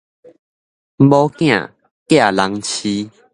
某囝寄人飼